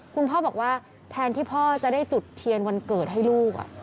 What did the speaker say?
คุณพ่อบอกว่าแทนที่พ่อจะได้จุดเทียนวันเกิดให้ลูก